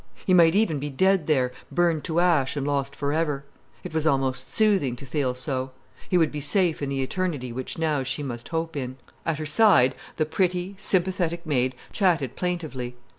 He might even be dead there, burned to ash and lost for ever. It was almost soothing to feel so. He would be safe in the eternity which now she must hope in. At her side the pretty, sympathetic maid chatted plaintively.